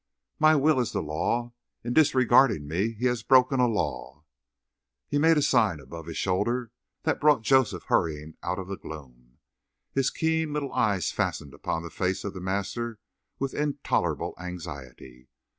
"My will is the law; in disregarding me he has broken a law." He made a sign above his shoulder that brought Joseph hurrying out of the gloom, his keen little eyes fastened upon the face of the master with intolerable anxiety.